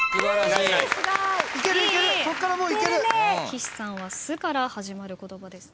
岸さんは「す」から始まる言葉です。